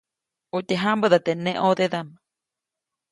Utye jãmbäda teʼ neʼ ʼõdedaʼm.